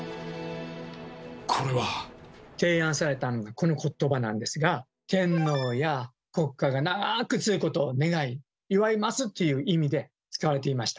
これは。提案されたのがこのことばなんですが「天皇や国家が長く続くことを願い祝います」っていう意味で使われていました。